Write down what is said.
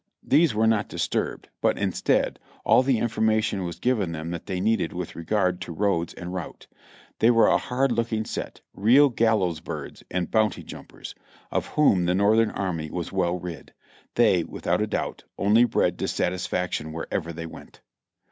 These were not disturbed, but instead, all the information was given them that they needed with regard to roads and route. They were a hard looking set, real gallows birds and bounty jumpers, of whom the Northern army was well rid. They, without a doubt, only bred dissatisfaction wherever they went.